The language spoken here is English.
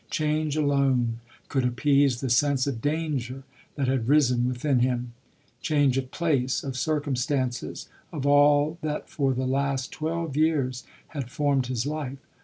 Change alone could ap pease the sense of danger that had risen within him. Change of place, of circumstances, — of all that for the last twelve years had formed his life.